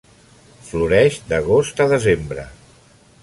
Floreix d'agost a desembre.